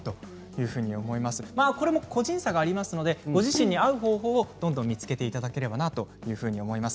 これも個人差がありますので、ご自身に合う方法を見つけていただければと思います。